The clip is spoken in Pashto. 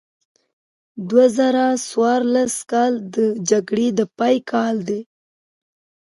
دوه زره څوارلس کال د جګړې د پای کال دی.